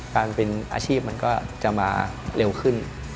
การเป็นอาชีพมันก็จะมาเร็วขึ้น